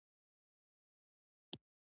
خوب د ارامۍ نښه ده